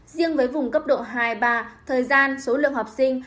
riêng với vùng cấp độ hai ba thời gian số lượng học sinh